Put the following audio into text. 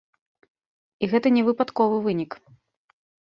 І гэта не выпадковы вынік.